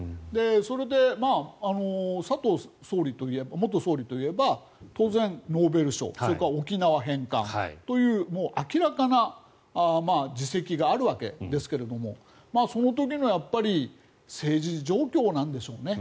それで佐藤元総理といえば当然、ノーベル賞それから沖縄返還という明らかな実績があるわけですけれどもその時の政治状況なんでしょうね。